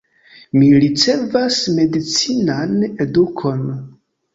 Mi ricevas medicinan edukon.